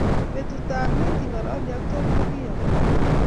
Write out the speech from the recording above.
Betutap let ingalali ak Tom ko ki ou?